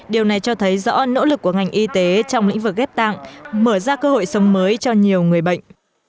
điều này cho thấy rõ nỗ lực của ngành y tế trong lĩnh vực ghép tạng mở ra cơ hội sống mới cho nhiều người bệnh